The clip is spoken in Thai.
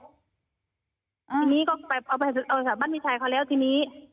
ทีนี้เขาไปเอาโทรศัพท์บ้านพี่ชายเขาแล้วทีนี้